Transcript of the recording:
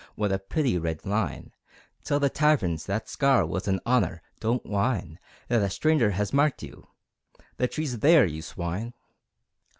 What a pretty, red line! Tell the taverns that scar Was an honour. Don't whine That a stranger has marked you. The tree's there, You Swine!